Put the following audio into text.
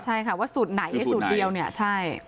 ใช่ค่ะว่าสูตรไหนให้สูตรเดียว